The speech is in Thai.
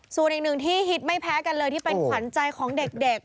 ส่วนอีกหนึ่งที่ฮิตไม่แพ้กันเลยที่เป็นขวัญใจของเด็ก